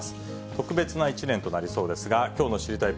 特別な１年となりそうですが、きょうの知りたいッ！